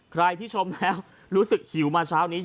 ใครที่ชมแล้วรู้สึกหิวมาเช้านี้